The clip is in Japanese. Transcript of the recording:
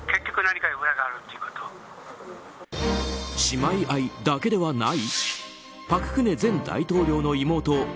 姉妹愛だけではない？